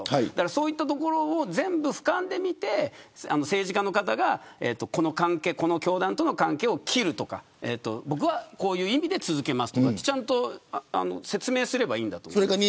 そういったところを全部俯瞰で見て、政治家の方がこの教団との関係を切るとか僕はこういう意味で続けますとかちゃんと説明すればいいと思います。